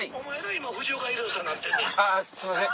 あぁすいません。